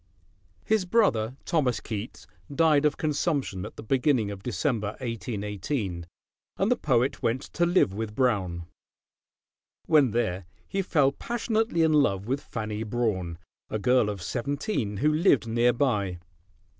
His brother Thomas Keats died of consumption at the beginning of December, 1818, and the poet went to live with Brown. When there he fell passionately in love with Fanny Brawne, a girl of seventeen, who lived nearby.